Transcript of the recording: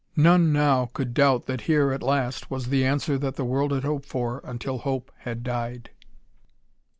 None, now, could doubt that here, at last, was the answer that the world had hoped for until hope had died.